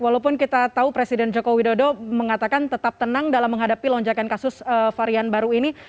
walaupun kita tahu presiden joko widodo mengatakan tetap tenang dalam menghadapi lonjakan kasus varian baru ini